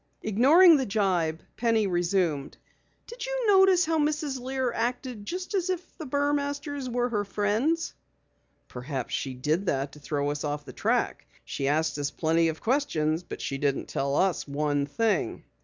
Ignoring the jibe, Penny resumed: "Did you notice how Mrs. Lear acted just as if the Burmasters were her friends." "Perhaps she did that to throw us off the track. She asked us plenty of questions but she didn't tell us one thing!"